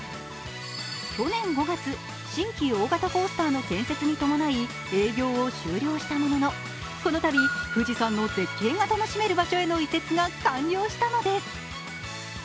去年５月、新規大型コースターの建設に伴い、営業を終了したものの、このたび、このたび富士山の絶景が楽しめる場所への移設が完了したのです。